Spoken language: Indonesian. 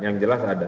yang jelas ada